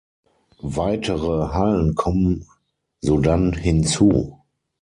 Weitere Hallen kommen sodann hinzu.